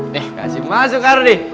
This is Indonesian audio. nih kasih masuk ardi